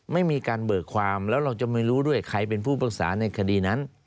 ไม่มีการเบิกความแล้วเราจะไม่รู้ด้วยใครเป็นผู้ปรึกษาในคดีนั้น